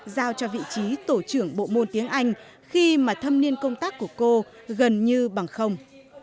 giao cho vị trí tổ trưởng bộ môn tiếng anh khi mà thâm niên công tác của cô gần như bằng không